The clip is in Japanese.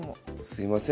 すいません